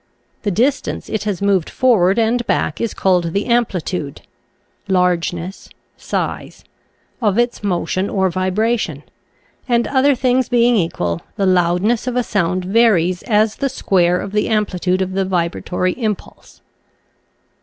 The dis tance it has moved forward and back is called the amplitude (largeness — size) of its motion or vibration, and, other things being equal, the loudness of a sound varies as the square of the amplitude of the vibratory impulse.